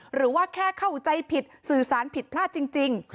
หรือว่าแค่เข้าใจผิดสื่อสารผิดพลาดจริง